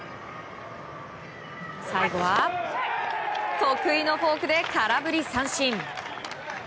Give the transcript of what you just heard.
最後は、得意のフォークで空振り三振。